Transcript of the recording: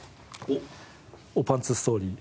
「おパンツストーリー」。